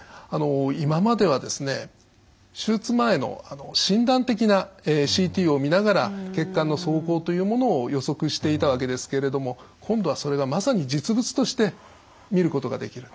今まではですね手術前の診断的なＣＴを見ながら血管の走行というものを予測していたわけですけれども今度はそれがまさに実物として見ることができる。